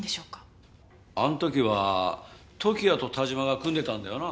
あの時は時矢と但馬が組んでたんだよな？